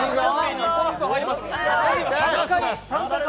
２ポイント入ります。